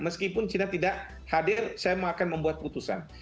meskipun china tidak hadir saya akan membuat putusan